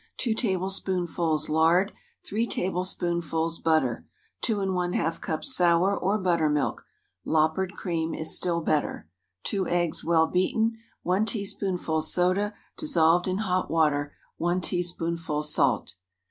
2 tablespoonfuls lard. 3 tablespoonfuls butter. 2½ cups sour or buttermilk. "Loppered" cream is still better. 2 eggs, well beaten. 1 teaspoonful soda, dissolved in hot water. 1 teaspoonful salt.